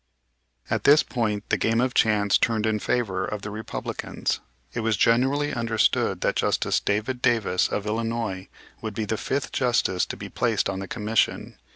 At this point the game of chance turned in favor of the Republicans. It was generally understood that Justice David Davis, of Illinois, would be the fifth Justice to be placed on the commission.